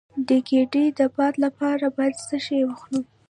د ګیډې د باد لپاره باید څه شی وخورم؟